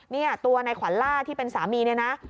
เนี่ยตัวในขวัลล่าที่เป็นสามีเนี่ยนะ